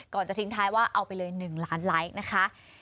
จะทิ้งท้ายว่าเอาไปเลย๑ล้านไลค์นะคะ